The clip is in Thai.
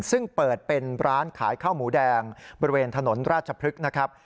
ซึ่งเปิดเป็นร้านขายข้าวหมูแดงบริเวณถนนราชพฤกษ์นะครับ